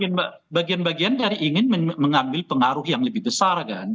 ya bagian bagian dari ingin mengambil pengaruh yang lebih besar kan